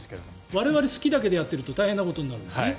我々は好きだけでやっていると大変なことになります。